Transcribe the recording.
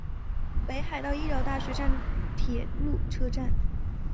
北海道医疗大学站的铁路车站。